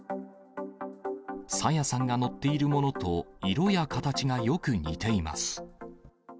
朝芽さんが乗っているものと色や形がよく似ています。